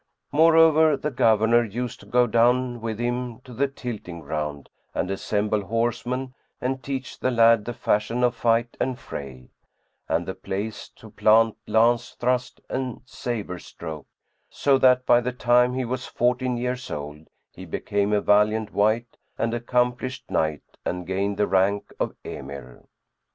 Moreover, the Governor used to go down with him to the tilting ground and assemble horsemen and teach the lad the fashion of fight and fray, and the place to plant lance thrust and sabre stroke; so that by the time he was fourteen years old, he became a valiant wight and accomplished knight and gained the rank of Emir.